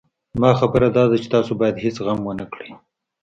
زما خبره داده چې تاسو بايد هېڅ غم ونه کړئ.